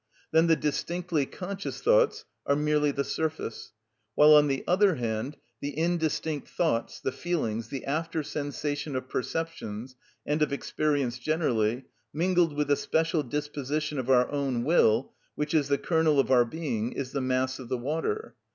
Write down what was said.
Then the distinctly conscious thoughts are merely the surface; while, on the other hand, the indistinct thoughts, the feelings, the after sensation of perceptions and of experience generally, mingled with the special disposition of our own will, which is the kernel of our being, is the mass of the water.